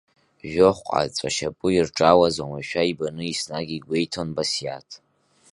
Жәохәҟа ҵәа-шьапы ирҿалаз уамашәа ибаны еснагь игәеиҭон Басиаҭ.